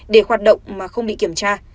để hoạt động mà không bị kiểm tra